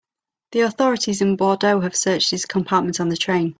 The authorities in Bordeaux have searched his compartment on the train.